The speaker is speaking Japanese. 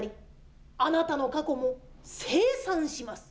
あなたの過去も清算します。